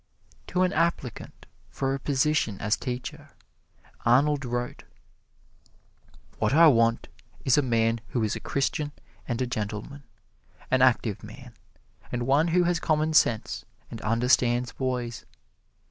To an applicant for a position as teacher, Arnold wrote: What I want is a man who is a Christian and a gentleman, an active man, and one who has commonsense, and understands boys.